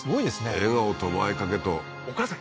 笑顔と前掛けとお母さん